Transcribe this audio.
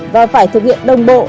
và phải thực hiện đồng bộ tất cả